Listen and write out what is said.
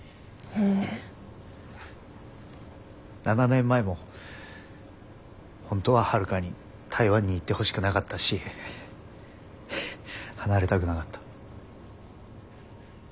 ７年前も本当は春香に台湾に行ってほしくなかったし離れたくなかった。